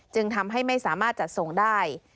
จึงทำให้ไม่สามารถจัดส่งได้